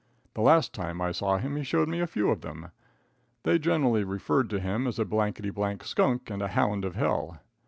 The last time I saw him he showed me a few of them. They generally referred to him as a blankety blank "skunk," and a "hound of hell."